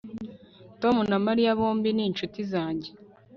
Tom na Mariya bombi ni inshuti zanjye